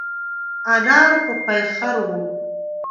انار په پېخر وه.